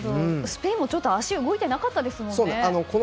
スペインも足が動いてなかったですよね。